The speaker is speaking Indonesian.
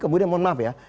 kemudian mohon maaf ya